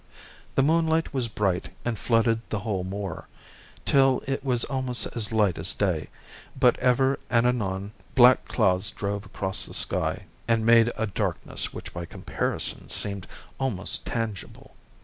The moonlight was bright, and flooded the whole moor, till it was almost as light as day; but ever and anon black clouds drove across the sky, and made a darkness which by comparison seemed almost tangible.